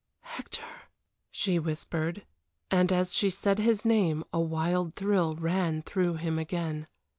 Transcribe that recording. "Hector," she whispered, and as she said his name a wild thrill ran through him again.